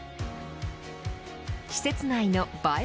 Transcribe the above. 施設内の映え